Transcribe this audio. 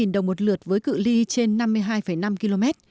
một trăm sáu mươi đồng một lượt với cự li trên năm mươi hai năm km